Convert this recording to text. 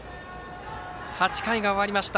８回が終わりました。